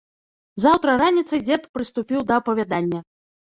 Заўтра раніцай дзед прыступіў да апавядання.